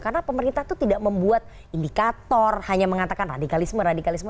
karena pemerintah itu tidak membuat indikator hanya mengatakan radikalisme radikalisme